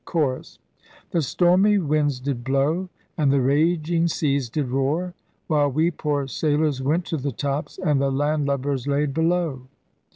Chorus, The stormy winds did blow. And the raging seas did roar. While we poor Sailors went to the tops And the land lubbers laid below.